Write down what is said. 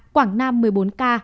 quảng nam một mươi bốn ca